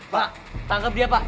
pak tanggep dia pak